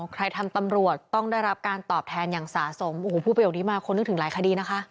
ใครทำตำรวจต้องได้รับการตอบแทนอย่างสะสมโอ้โหพูดประโยคนี้มาคนนึกถึงหลายคดีนะคะ